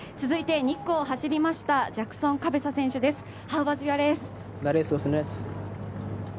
続いて２区を走りました、ジャクソン・カベサ選手です。